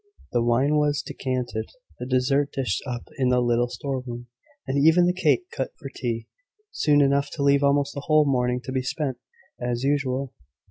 The wine was decanted, the dessert dished up in the little storeroom, and even the cake cut for tea, soon enough to leave almost the whole morning to be spent as usual.